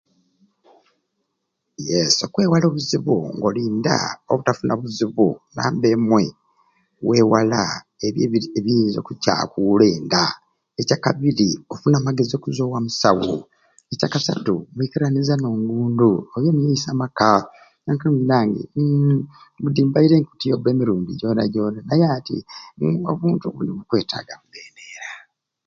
Yes okwewala obuzibu nga oli nda obutafuna buzubu number emwei wewala ebyo ebyo ebiyinza okukyakula ekya kabiri okufuna amagezi okuzwa ewa musawu ekyakastu mwikiriniza n'ongundu oyo niye isemaka nokoba naye mwiranga uuhh budi mbaire nkutyoba emirundi gyona gyona naye ati obuntu buni bukwetaga bukendera